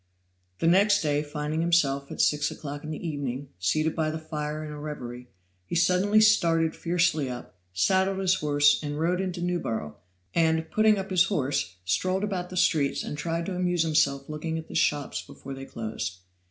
The next day, finding himself, at six o'clock in the evening, seated by the fire in a reverie, he suddenly started fiercely up, saddled his horse, and rode into Newborough, and, putting up his horse, strolled about the streets and tried to amuse himself looking at the shops before they closed.